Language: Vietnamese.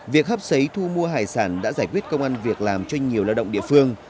việc hấp xấy thu mua hải sản đã giải quyết công an việc làm cho nhiều lao động địa phương